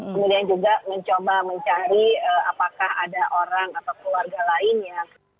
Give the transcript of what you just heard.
kemudian juga mencoba mencari apakah ada orang atau keluarga lain yang